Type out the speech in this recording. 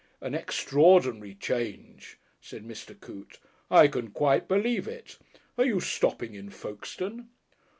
"An extraordinary change," said Mr. Coote. "I can quite believe it. Are you stopping in Folkestone?"